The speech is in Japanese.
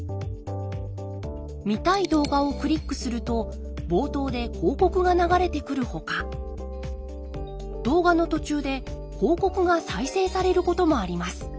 見たい動画をクリックすると冒頭で広告が流れてくるほか動画の途中で広告が再生されることもあります。